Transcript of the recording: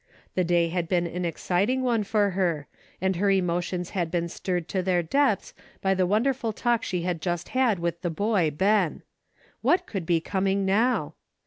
The day had been an exciting .one for her, and her emotions had been stirred to their depths by the wonderful talk she had just had with the boy Ben. What could be coming now